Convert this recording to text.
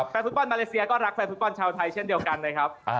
แฟนฟุตบอลมาเลเซียก็รักแฟนฟุตบอลชาวไทยเช่นเดียวกันนะครับ